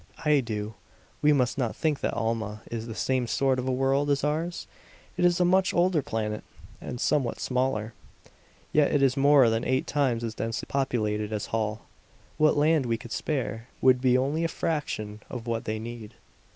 "I do. We must not think that Alma is the same sort of a world as ours. It is a much older planet, and somewhat smaller. Yet it is more than eight times as densely populated as Holl. What land we could spare would be only a fraction of what they need.